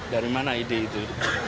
dari mana ide itu